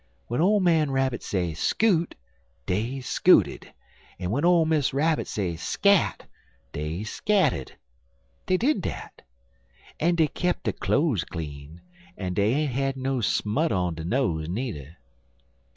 W'en ole man Rabbit say scoot,' dey scooted, en w'en ole Miss Rabbit say 'scat,' dey scatted. Dey did dat. En dey kep der cloze clean, en dey ain't had no smut on der nose nudder."